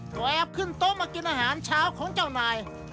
แอบขึ้นโต๊ะมากินอาหารเช้าของเจ้านาย